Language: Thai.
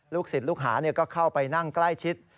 ลูกศิษย์ลูกหาเนี่ยก็เข้าไปนั่งใกล้ชิด